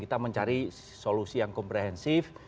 kita mencari solusi yang komprehensif